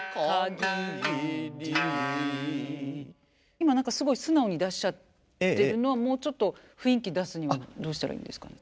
今何かすごい素直に出しちゃってるのはもうちょっと雰囲気出すにはどうしたらいいんですかね？